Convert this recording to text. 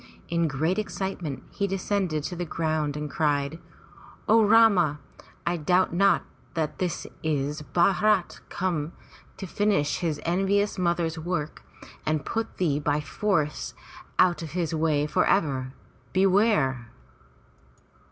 In great excitement he descended to the ground and cried: 0 Rama, I doubt not that this is Bharat come to finish his envious mother's work and put thee by force out of his way for ever! Beware!'